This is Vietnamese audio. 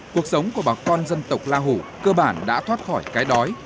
cuộc sống của bà con dân tộc la hủ cơ bản đã thoát khỏi cái đói